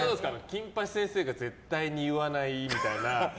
「金八先生」が絶対に言わないみたいな。